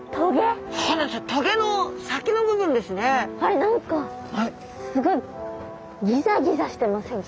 何かすごいギザギザしてませんか？